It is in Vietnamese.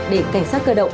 để cảnh sát cơ động